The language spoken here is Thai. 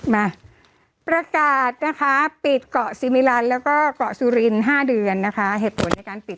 มาประกาศนะคะปิดเกาะแล้วก็เกาะห้าเดือนนะคะเหตุผลในการปิด